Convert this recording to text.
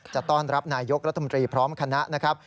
จะต้อนรับนายกรัฐมนตรีพร้อมคณะนะครับ